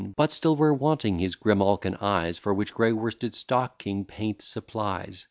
But still were wanting his grimalkin eyes, For which gray worsted stocking paint supplies.